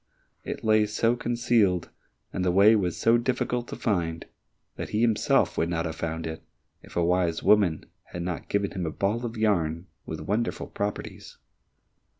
It lay so concealed, and the way was so difficult to find that he himself would not have found it, if a wise woman had not given him a ball of yarn with wonderful properties.